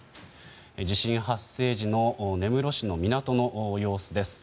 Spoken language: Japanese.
地震発生時の根室市の港の様子です。